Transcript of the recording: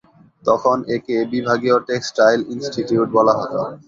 তখন একে বিভাগীয় টেক্সটাইল ইনস্টিটিউট বলা হত।